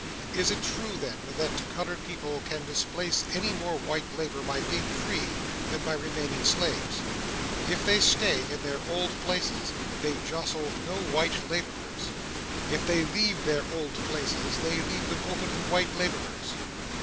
Is it true, then, that colored people can displace any more white labor by being free than by remaining slaves? If they stay in their old places, they jostle no white laborers; if they leave their old places, they leave them open to white laborers.